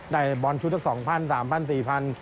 ได้บอนชุดสองพันสามพันสี่พัน